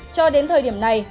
cho đến thời điểm này